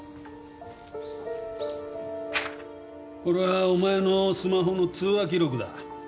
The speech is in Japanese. これはお前のスマホの通話記録だ。